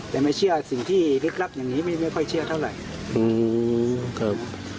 แต่ไม่เชื่อสิ่งที่ลึกลับอย่างนี้ไม่ค่อยเชื่อเท่าไหร่